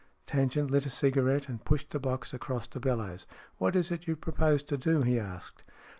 Tangent lit a cigarette, and pushed the box across to Bellowes. " What is it you propose to do ?" he asked.